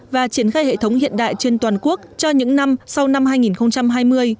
và triển khai hệ thống hiện đại trên toàn quốc cho những năm sau năm hai nghìn hai mươi